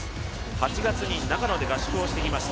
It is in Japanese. ８月に長野で合宿してきました、